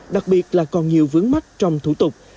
đặc biệt là còn nhiều vướng mắt trong thủ tục